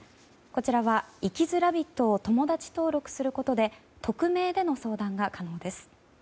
こちらは、生きづらびっとを友達登録することで匿名での相談が可能です。